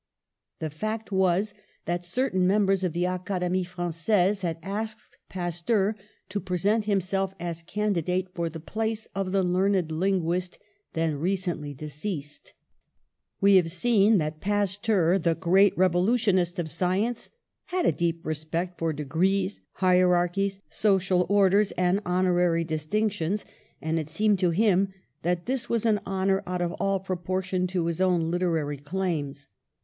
The fact was that certain members of the Academie Frangaise had asked Pasteur to present himself as candidate for the place of the learned linguist, then recently de ceased. We have seen that Pasteur, the great revolu tionist of science, had a deep respect for de grees, hierarchies, social orders and honorary distinctions, and it seemed to him that this was an honour out of all proportion to his own liter ary claims.